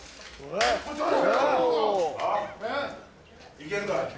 いけるか？